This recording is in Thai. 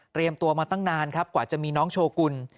เตรียมตัวมาตั้งนานกว่าจะมีน้องโชกุล